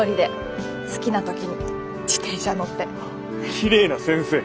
きれいな先生？